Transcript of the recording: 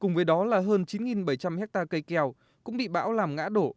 cùng với đó là hơn chín bảy trăm linh hectare cây keo cũng bị bão làm ngã đổ